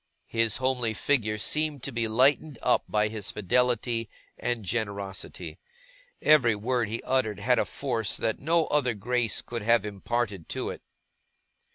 His homely figure seemed to be lightened up by his fidelity and generosity. Every word he uttered had a force that no other grace could have imparted to it.